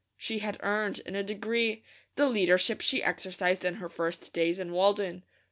She had earned, in a degree, the leadership she exercised in her first days in Walden.